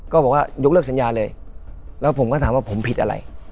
ก็บอกว่ายกเลิกสัญญาเลยแล้วผมก็ถามว่าผมผิดอะไร